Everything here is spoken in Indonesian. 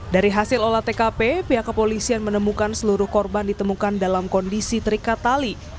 dari hasil olah tkp pihak kepolisian menemukan seluruh korban ditemukan dalam kondisi terikat tali